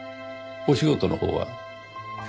お仕事のほうは？